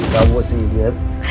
kamu masih inget